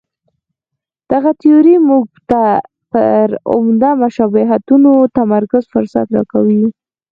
دغه تیوري موږ ته پر عمده مشابهتونو تمرکز فرصت راکوي.